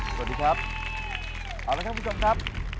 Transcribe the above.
สวัสดีครับเอาละครับคุณผู้ชมครับ